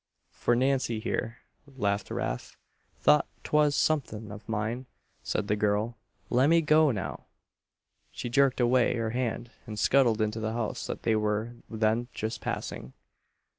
For Nancy here," laughed Rafe. "Thought 'twas somethin' of mine," said the girl. "Lemme go now!" She jerked away her hand and scuttled into the house that they were then just passing.